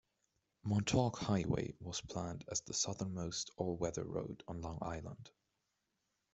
Montauk Highway was planned as the southernmost all-weather road on Long Island.